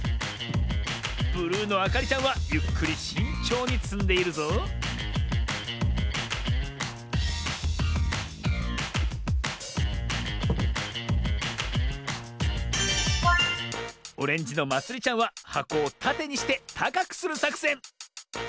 ブルーのあかりちゃんはゆっくりしんちょうにつんでいるぞオレンジのまつりちゃんははこをたてにしてたかくするさくせん。